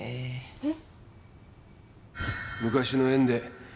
えっ？